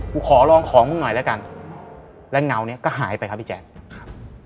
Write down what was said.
ขอลองของมึงหน่อยแล้วกันและเงาเนี้ยก็หายไปครับพี่แจ๊คครับ